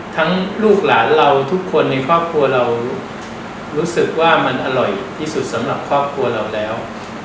ลูกหลานเราทุกคนในครอบครัวเรารู้สึกว่ามันอร่อยที่สุดสำหรับครอบครัวเราแล้ว